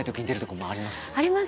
あります。